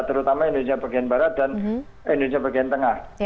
terutama indonesia bagian barat dan indonesia bagian tengah